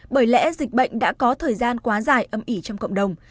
bởi lẽ dịch bệnh đã có thời gian quá dài âm ỉ trong cộng đồng